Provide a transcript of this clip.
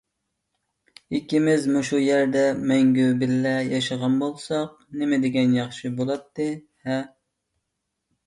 ئىككىمىز مۇشۇ يەردە مەڭگۈ بىللە ياشىغان بولساق نېمىدېگەن ياخشى بولاتتى-ھە!